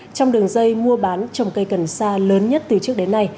trong đường dây mua bán trồng cây cần sa lớn nhất từ trước đến nay